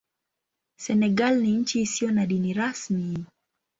Senegal ni nchi isiyo na dini rasmi.